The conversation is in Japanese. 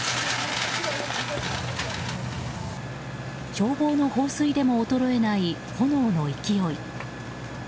消防の放水でも衰えない炎の勢い。